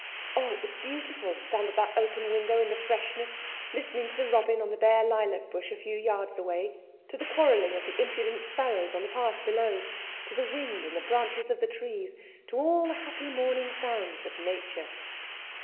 Oh, it was beautiful to stand at that open window in the freshness, listening to the robin on the bare lilac bush a few yards away, to the quarrelling of the impudent sparrows on the path below, to the wind in the branches of the trees, to all the happy morning sounds of nature.